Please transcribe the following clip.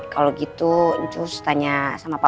kalau gitu ntus tanya sama papa